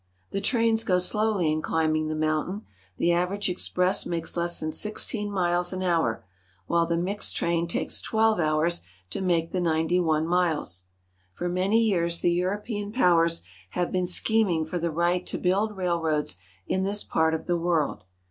The trains go slowly in climbing the mountain. The average express makes less than sixteen miles an hour, while the mixed train takes twelve hours to make the ninety one miles. For many years the European powers have been schem ing for the right to build railroads in this part of the world.